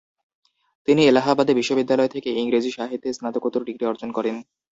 তিনি এলাহাবাদ বিশ্ববিদ্যালয় থেকে ইংরেজি সাহিত্যে স্নাতকোত্তর ডিগ্রি অর্জন করেন।